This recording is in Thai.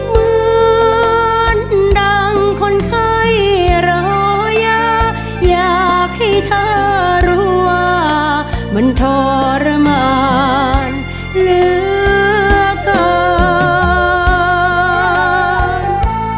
คุณดังคนเคยระยะอยากให้เธอรู้ว่ามันทรมานเหลือกัน